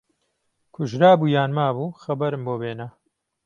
کوژرا بوو یان مابوو خهبهرم بۆ بێنه